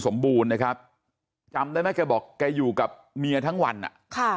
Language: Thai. สมบูรณ์นะครับจำได้มั้ยกลับบอกแกอยู่กับเมียทั้งวันอยู่